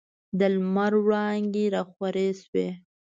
د لمر وړانګي راخورې سوې.